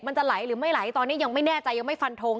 มันจะไหลหรือไม่ไหลตอนนี้ยังไม่แน่ใจยังไม่ฟันทง